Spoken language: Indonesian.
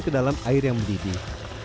kedalam air yang mendidih